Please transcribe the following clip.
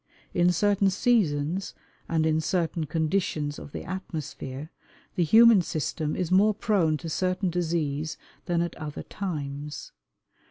In certain seasons and in certain conditions of the atmosphere, the human system is more prone to certain disease than at other times.